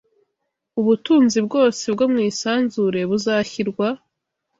Ubutunzi bwose bwo mu isanzure buzashyirwa